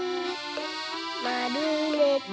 まるめて。